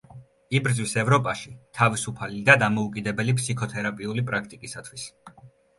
იბრძვის ევროპაში თავისუფალი და დამოუკიდებელი ფსიქოთერაპიული პრაქტიკისათვის.